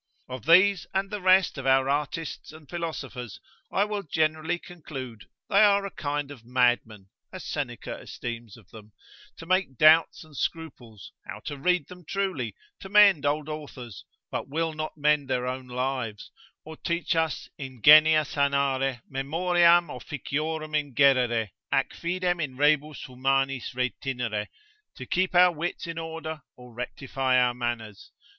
Of these and the rest of our artists and philosophers, I will generally conclude they are a kind of madmen, as Seneca esteems of them, to make doubts and scruples, how to read them truly, to mend old authors, but will not mend their own lives, or teach us ingevia sanare, memoriam officiorum ingerere, ac fidem in rebus humanis retinere, to keep our wits in order, or rectify our manners.